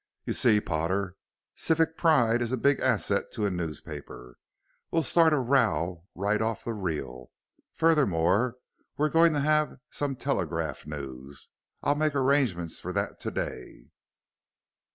You see, Potter, civic pride is a big asset to a newspaper. We'll start a row right off the reel. Furthermore, we're going to have some telegraph news. I'll make arrangements for that to day."